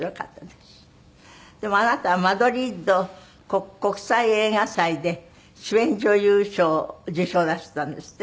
でもあなたはマドリード国際映画祭で主演女優賞を受賞なすったんですって？